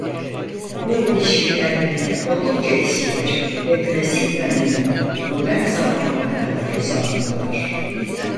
Bu ilişkilendirme oldukça eskidir ve Klasik dönemden modern zamanlara kadar uzanmaktadır.